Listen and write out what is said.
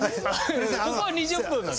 ここは２０分なんだ。